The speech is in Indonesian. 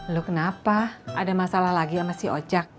lu kenapa ada masalah lagi sama si ocak